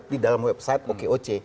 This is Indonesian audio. di dalam website okoc